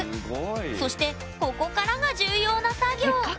そしてここからが重要な作業えっ